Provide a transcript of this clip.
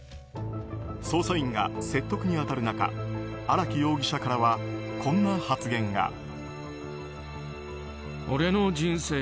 捜査員が説得に当たる中荒木容疑者からはこんな発言が。